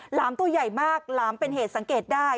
หมตัวใหญ่มากหลามเป็นเหตุสังเกตได้